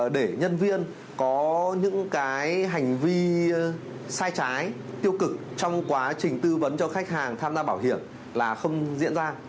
để nhân viên có những cái hành vi sai trái tiêu cực trong quá trình tư vấn cho khách hàng tham gia bảo hiểm là không diễn ra